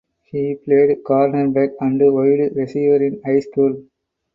He played cornerback and wide receiver in high school.